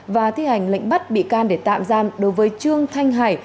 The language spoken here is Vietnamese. và thi hành lệnh bắt bị can để tạm giam đối với trương thanh hải